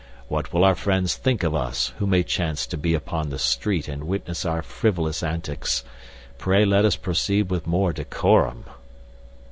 What will our friends think of us, who may chance to be upon the street and witness our frivolous antics? Pray let us proceed with more decorum."